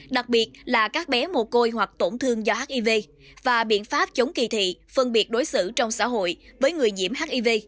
đặc biệt là các bé mồ côi hoặc tổn thương do hiv và biện pháp chống kỳ thị phân biệt đối xử trong xã hội với người nhiễm hiv